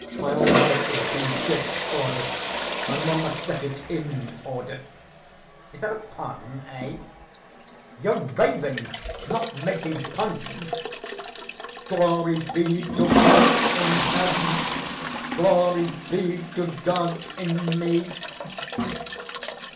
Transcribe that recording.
My whole life has been disorder, and one must set it in order. Is that a pun, eh?" "You're raving, not making puns!" "Glory be to God in Heaven, Glory be to God in me....